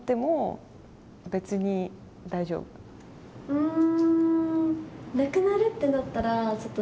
うん。